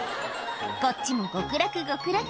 こっちも極楽、極楽。